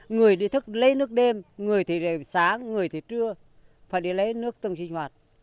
người thì thức lấy nước đêm người thì sáng người thì trưa phải đi lấy nước từng sinh hoạt